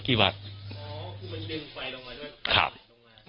อ๋อคือมันดึงไฟลงมาด้วย